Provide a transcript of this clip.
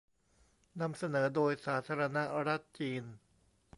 นำเสนอโดยสาธารณรัฐจีน